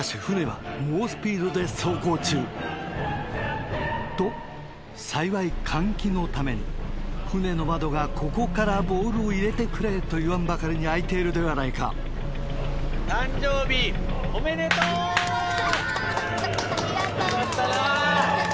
船は猛スピードで走行中と幸い換気のために船の窓がここからボールを入れてくれ！といわんばかりに開いているではないか誕生日おめでとう！